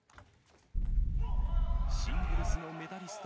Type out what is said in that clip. シングルスのメダリスト